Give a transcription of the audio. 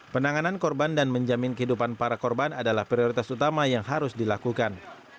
penanganan korban dan menjamin kehidupan para korban adalah prioritas utama yang harus dilakukan